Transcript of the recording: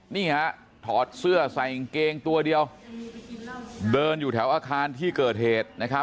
นี่ฮะถอดเสื้อใส่กางเกงตัวเดียวเดินอยู่แถวอาคารที่เกิดเหตุนะครับ